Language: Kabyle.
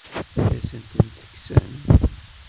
Ad asent-ten-tekksem?